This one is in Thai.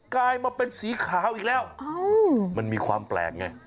กลายมาเป็นสีขาวอีกแล้วมันมีความแปลกไง